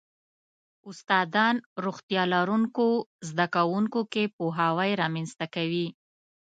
استادان روغتیا لرونکو زده کوونکو کې پوهاوی رامنځته کوي.